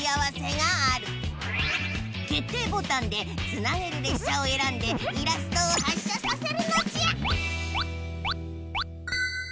けっていボタンでつなげるれっしゃをえらんでイラストを発車させるのじゃ！